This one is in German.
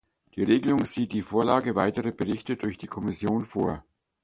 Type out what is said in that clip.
Die Regelung sieht die Vorlage weiterer Berichte durch die Kommission vor.